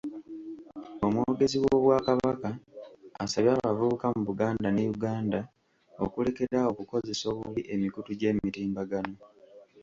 Omwogezi w'Obwakabaka asabye abavubuka mu Buganda ne Uganda okulekeraawo okukozesa obubi emikutu gy'emitimbagano.